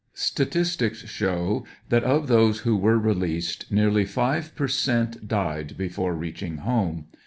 Statistics show that of those who were released, nearly five per cent, died before reaching home.